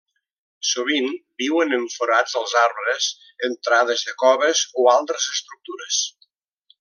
Sovint viuen en forats als arbres, entrades de coves o altres estructures.